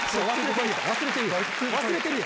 忘れてるよ。